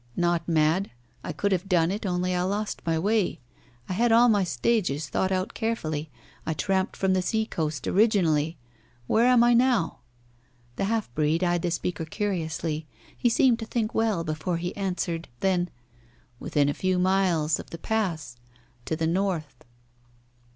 "Not mad. I could have done it, only I lost my way. I had all my stages thought out carefully. I tramped from the sea coast originally. Where am I now?" The half breed eyed the speaker curiously. He seemed to think well before he answered. Then "Within a few miles of the Pass. To the north."